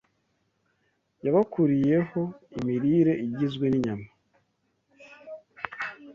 yabakuriyeho imirire igizwe n’inyama